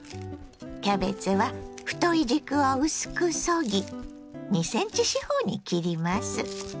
キャベツは太い軸を薄くそぎ２ｃｍ四方に切ります。